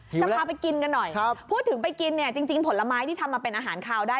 จะพาไปกินกันหน่อยพูดถึงไปกินเนี่ยจริงผลไม้ที่ทำมาเป็นอาหารคาวได้